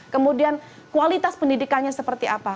kemudian kualitas pendidikannya seperti apa